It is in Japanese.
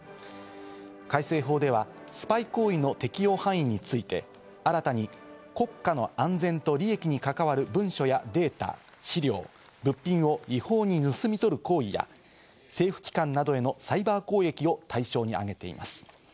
改正法ではスパイ行為の適用範囲について、新たに国家の安全と利益に関わる文書やデータ、資料、物品を違法に盗み取る行為や、政府機関などへのサイバー攻撃を対象にあげています。